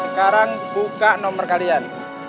sekarang buka nomor kalian